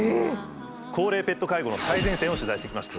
高齢ペット介護の最前線を取材してきました。